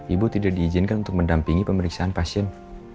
ibu tidak diizinkan untuk mendampingi pemeriksaan pasien